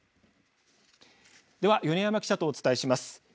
では米山記者とお伝えします。